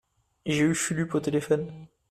J’ai eu Fulup au téléphone.